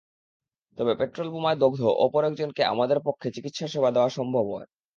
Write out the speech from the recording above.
তবে পেট্রলবোমায় দগ্ধ অপর একজনকে আমাদের পক্ষে চিকিৎসা সেবা দেওয়া সম্ভব হয়।